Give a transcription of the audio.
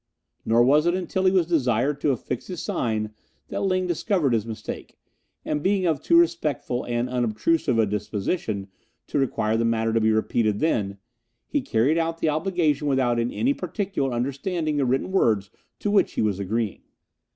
Nor was it until he was desired to affix his sign that Ling discovered his mistake, and being of too respectful and unobtrusive a disposition to require the matter to be repeated then, he carried out the obligation without in any particular understanding the written words to which he was agreeing.